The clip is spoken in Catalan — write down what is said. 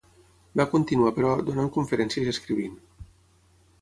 Va continuar, però, donant conferències i escrivint.